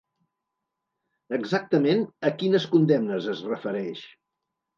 Exactament a quines condemnes es refereix?